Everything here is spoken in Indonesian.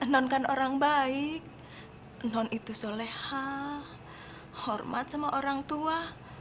nonkan orang baik non itu soleha hormat sama orang tua